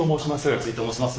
松井と申します。